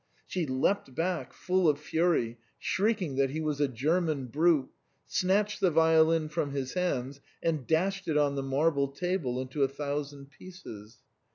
She leapt back full of fury, shrieking that he was a " German brute," snatched the violin from his hands, and dashed it on the marble table into a thousand pieces.